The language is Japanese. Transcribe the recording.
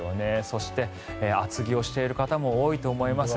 そして、厚着をしている方も多いと思います。